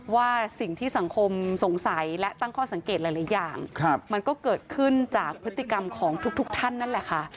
ว่าสิ่งที่สังคมสงสัยและตั้งข้อสังเกตหลายอย่างมันก็เกิดขึ้นจากพฤติกรรมของทุกท่านนั่นแหละค่ะ